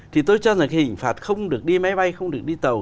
thì tôi cho rằng cái hình phạt không được đi máy bay không được đi tàu